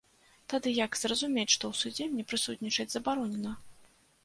Тады як зразумець, што ў судзе мне прысутнічаць забаронена?